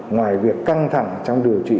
ngoài việc căng thẳng trong điều trị